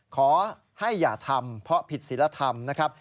ขอให้อย่าทำเพราะผิดศิลธรรมนะครับ